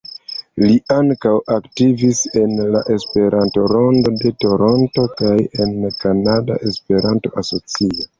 Li ankaŭ aktivis en la Esperanto-Rondo de Toronto kaj en Kanada Esperanto-Asocio.